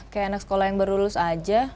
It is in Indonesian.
kayak anak sekolah yang baru lulus aja